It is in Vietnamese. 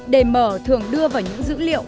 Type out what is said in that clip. đề mở thường đưa vào những dữ liệu